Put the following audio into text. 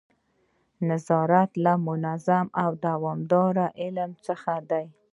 نظارت له منظم او دوامداره علم څخه دی.